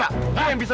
u pun menetir